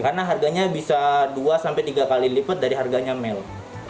karena harganya bisa dua tiga kali lipat dari harganya male